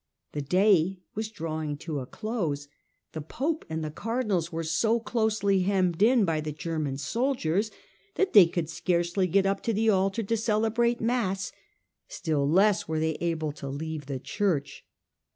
The day was drawing to a close. The pope and the cardinals were so closely hemmed in by the German soldiers that they could scarcely get up to the altar to celebrate mass : still less were they able to leave the church.